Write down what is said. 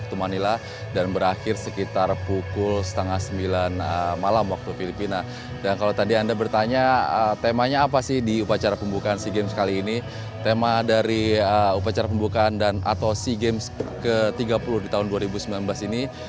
upacara pembukaan atau sea games ke tiga puluh di tahun dua ribu sembilan belas ini